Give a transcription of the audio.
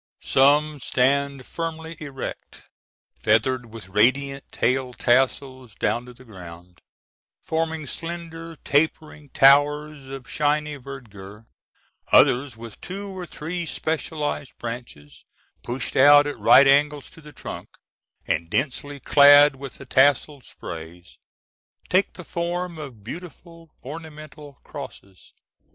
Some stand firmly erect, feathered with radiant tail tassels down to the ground, forming slender, tapering towers of shining verdure; others with two or three specialized branches pushed out at right angles to the trunk and densely clad with the tasseled sprays, take the form of beautiful ornamental crosses.